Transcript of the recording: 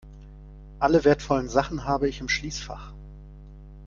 Alle wertvollen Sachen habe ich im Schließfach.